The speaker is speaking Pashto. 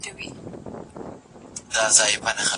ډېر خلک فکر کوي چې تمرین بندونه زیانمنوي.